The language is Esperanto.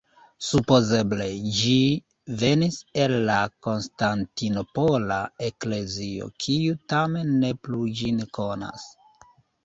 Supozeble ĝi venis el la Konstantinopola eklezio, kiu tamen ne plu ĝin konas.